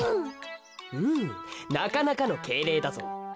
うんなかなかのけいれいだぞ。